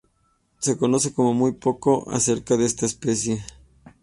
Se conoce muy poco acerca de esta especie.